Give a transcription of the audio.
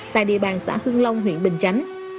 tại địa bàn xã hương long huyện bình chánh